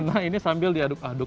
nah ini sambil diaduk aduk